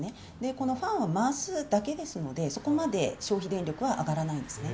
このファンを回すだけですので、そこまで消費電力は上がらないですね。